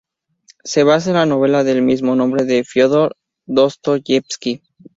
Se basa en la novela del mismo nombre de Fiódor Dostoyevski.